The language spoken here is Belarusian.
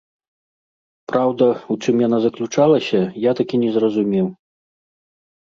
Праўда, у чым яна заключалася, я так і не зразумеў.